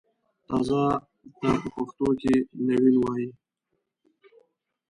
تازه ته په پښتو کښې نوين وايي